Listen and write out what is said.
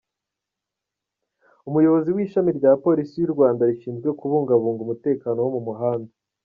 Umuyobozi w’Ishami rya Polisi y’u Rwanda rishinzwe kubungabunga umutekano wo mu muhanda.